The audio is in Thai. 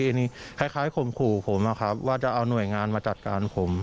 อันนี้คล้ายข่มขู่ผมนะครับว่าจะเอาหน่วยงานมาจัดการผม